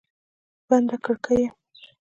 بنده کړکۍ یم